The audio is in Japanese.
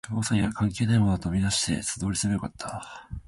調査には関係ないものだと見なして、素通りすればよかった